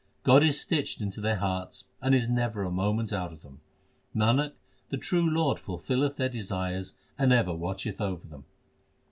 God is stitched into their hearts and is never a moment out of them. Nanak, the true Lord fulfilleth their desires and ever watcheth over them.